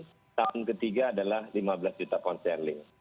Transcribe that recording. dan yang tahun ketiga adalah lima belas juta pound sterling